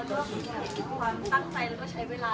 ก็มีความตั้งใจแล้วก็ใช้เวลา